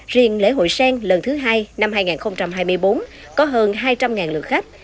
riêng lễ hội sen lần thứ hai năm hai nghìn hai mươi bốn có hơn hai trăm linh lượt khách